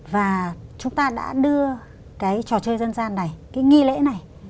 và chúng ta đã đưa cái trò chơi dân gian này cái nghi lễ này